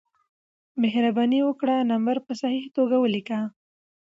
مهربانې وکړه نمبر په صحیح توګه ولېکه